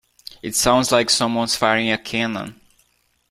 It sounds like someone's firing a cannon.